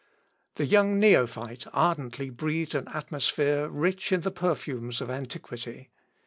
The young neophyte ardently breathed an atmosphere rich in the perfumes of antiquity.